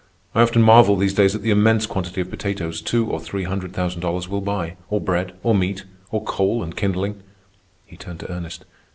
I often marvel these days at the immense quantity of potatoes two or three hundred thousand dollars will buy, or bread, or meat, or coal and kindling." He turned to Ernest.